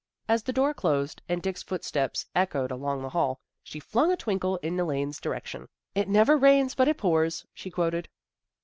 As the door closed and Dick's footsteps echoed along the hall, she flung a twinkle in Elaine's direction. " It never rains but it pours," she quoted.